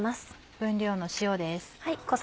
分量の塩です。